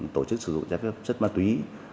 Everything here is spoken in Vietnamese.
tổ chức sử dụng chai phép chất ma túy